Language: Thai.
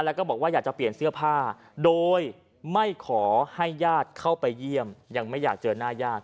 แล้วก็บอกว่าอยากจะเปลี่ยนเสื้อผ้าโดยไม่ขอให้ญาติเข้าไปเยี่ยมยังไม่อยากเจอหน้าญาติ